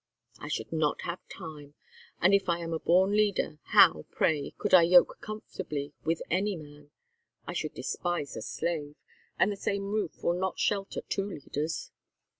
"I should not have time. And if I am a born leader, how, pray, could I yoke comfortably with any man? I should despise a slave, and the same roof will not shelter two leaders."